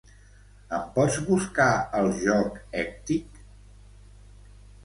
Em pots buscar el joc Hectic?